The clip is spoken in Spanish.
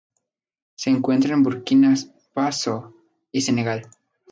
Se encuentra en Burkina Faso y Senegal.